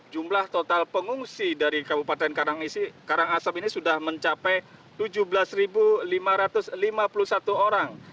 jumlah total pengungsi dari kabupaten karangasem ini sudah mencapai tujuh belas lima ratus lima puluh satu orang